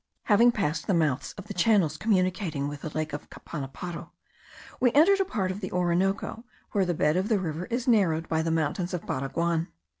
Having passed the mouths of the channels communicating with the lake of Capanaparo, we entered a part of the Orinoco, where the bed of the river is narrowed by the mountains of Baraguan.